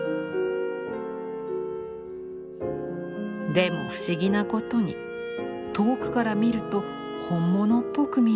「でも不思議なことに遠くから見ると本物っぽく見えるんだ。